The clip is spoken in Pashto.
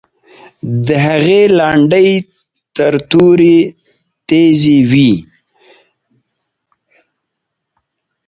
د هغې لنډۍ تر تورې تیزې وې.